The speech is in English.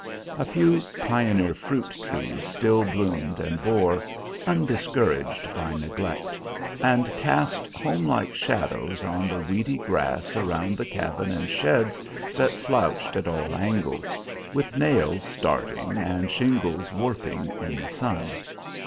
A few pioneer fruit trees still bloomed and bore, undiscouraged by neglect, and cast homelike shadows on the weedy grass around the cabin and sheds that slouched at all angles, with nails starting and shingles warping in the sun.